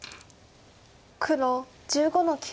黒１５の九。